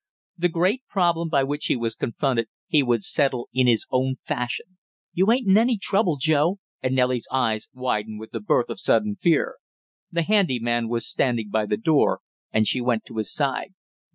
The great problem by which he was confronted he would settle in his own fashion. "You ain't in any trouble, Joe?" and Nellie's eyes widened with the birth of sudden fear. The handy man was standing by the door, and she went to his side.